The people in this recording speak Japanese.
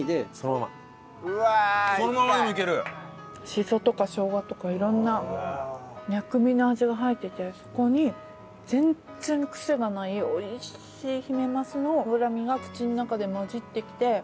シソとかショウガとかいろんな薬味の味が入っててそこに全然癖がないおいしい姫鱒の脂身が口の中で混じってきて。